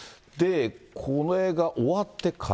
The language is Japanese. これが終わってから。